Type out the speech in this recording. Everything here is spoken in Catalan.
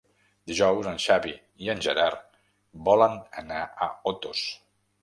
Dijous en Xavi i en Gerard volen anar a Otos.